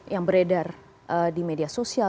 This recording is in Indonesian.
yang beredar di media sosial